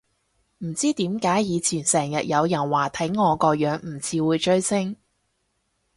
唔知點解以前成日有人話睇我個樣唔似會追星